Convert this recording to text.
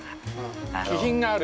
気品がある。